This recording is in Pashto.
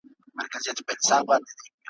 ګړی وروسته په کلا کي خوشالي سوه `